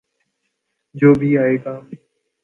جو بھی آئے گا۔